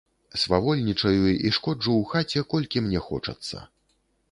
Свавольнічаю і шкоджу ў хаце, колькі мне хочацца.